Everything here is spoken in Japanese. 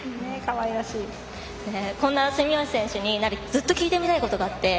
こんな住吉選手にずっと聞いてみたいことがあって。